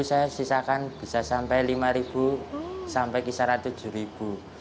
saya sisakan bisa sampai lima sampai kisaran tujuh ribu